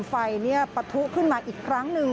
ไฟปะทุขึ้นมาอีกครั้งหนึ่ง